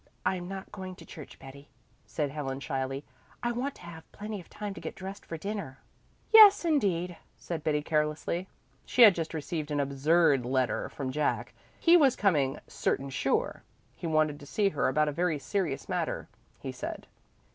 "I'm not going to church, Betty," said Helen shyly. "I want to have plenty of time to get dressed for dinner." "Yes, indeed," said Betty carelessly. She had just received an absurd letter from Jack. He was coming "certain sure"; he wanted to see her about a very serious matter, he said.